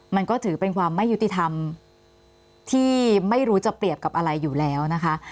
มันก็ถือเป็นความไม่ยุติธรรมที่ไม่รู้จะเปรียบกับอะไรอยู่แล้วนะคะ